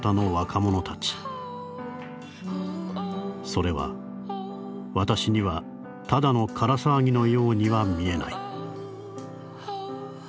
それは私にはただの空騒ぎのようには見えない」。